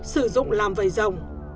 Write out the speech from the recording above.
sử dụng làm vầy rồng